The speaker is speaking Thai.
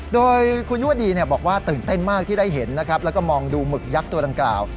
โดยคุณยุวดีบอกว่าตื่นเต้นมากที่ได้เห็นนะครับแล้วก็มองดูหมึกยักษ์ตัวดังกล่าว